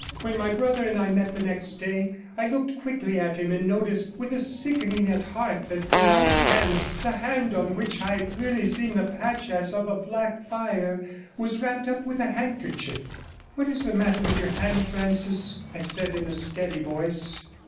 When my brother and I met the next day, I looked quickly at him, and noticed, with a sickening at heart, that the right hand, the hand on which I had clearly seen the patch as of a black fire, was wrapped up with a handkerchief. 'What is the matter with your hand, Francis?' I said in a steady voice.